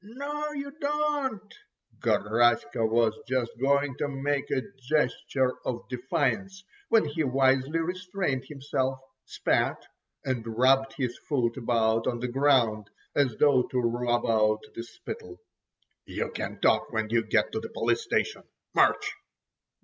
"No, you don't!" Garaska was just going to make a gesture of defiance, when he wisely restrained himself, spat and rubbed his foot about on the ground, as though to rub out the spittle. "You can talk when you get to the police station! March!"